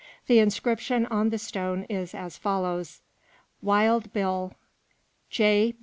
The inscription on the stone is as follows: WILD BILL, (J.